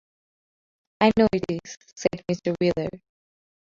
‘I know it is,’ said Mr. Weller.